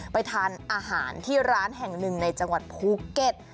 ไปทานอาหารที่ร้านแห่งหนึ่งในจังหวัดภูเก็ต